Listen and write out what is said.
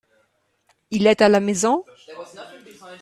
Il est à la maison ?